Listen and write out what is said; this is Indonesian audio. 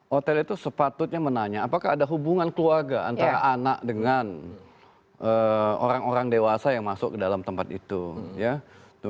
hotel itu sepatutnya menanya apakah ada hubungan keluarga antara anak dengan orang orang dewasa yang masuk ke dalam tempat itu